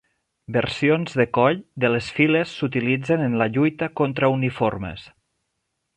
Versions de coll de les files s'utilitzen en la lluita contra uniformes.